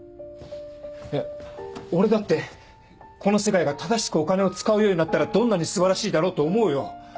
俺だってこの世界が正しくお金を使うようになったらどんなに素晴らしいだろうと思うよ。